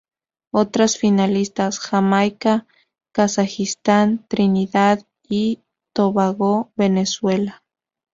Otras finalistas: Jamaica, Kazajistán, Trinidad y Tobago, Venezuela.